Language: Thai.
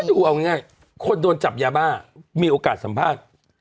ดูเอาง่ายคนโดนจับยาบ้ามีโอกาสสัมภาษณ์